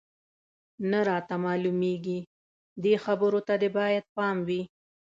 نه راته معلومېږي، دې خبرې ته دې باید پام وي.